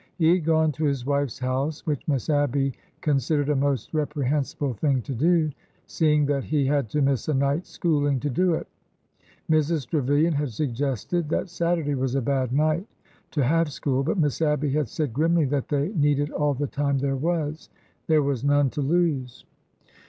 He had gone to his wife's house, which Miss Abby con sidered a most reprehensible thing to do, seeing that he had to miss a night's schooling to do it. Mrs. Trevilian had suggested that Saturday was a bad night to have school, but Miss Abby had said grimly that they needed all the time there was — there was none to lose.